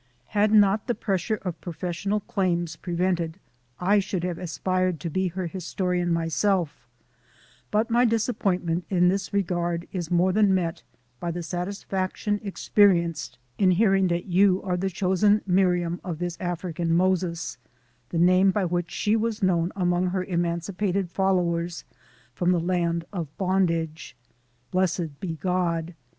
Had not the pressure of professional claims pre vented, I should have aspired to be her historian myself; but my disappointment in this regard is more than met by the satisfaction experienced in hearing that you are the chosen Miriam of this Af rican " Moses ;" the name by which she was known among her emancipated followers from the land of bondage. Blessed be God!